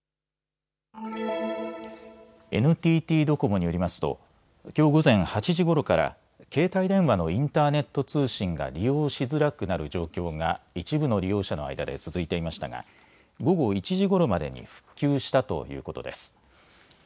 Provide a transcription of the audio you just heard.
ＮＴＴドコモによりますときょう午前８時ごろから携帯電話のインターネット通信が利用しづらくなる状況が一部の利用者の間で続いていましたが午後１時ごろまでに復旧したということです。